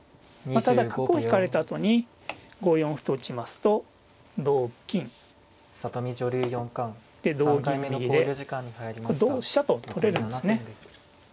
まあただ角を引かれたあとに５四歩と打ちますと同金で同銀右でこれ同飛車と取れるんですね。